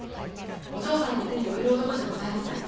お嬢様の手に負える男じゃございません。